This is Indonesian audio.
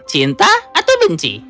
cinta atau benci